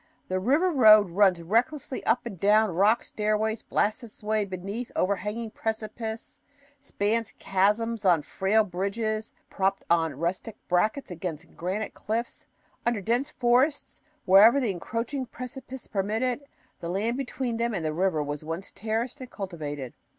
The river "road" runs recklessly up and down rock stairways, blasts its way beneath overhanging precipices, spans chasms on frail bridges propped on rustic brackets against granite cliffs. Under dense forests, wherever the encroaching precipices permitted it, the land between them and the river was once terraced and cultivated.